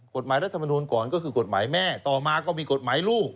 รัฐมนูลก่อนก็คือกฎหมายแม่ต่อมาก็มีกฎหมายลูก